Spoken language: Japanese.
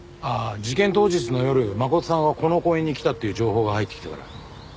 事件当日の夜真琴さんがこの公園に来たっていう情報が入ってきたから。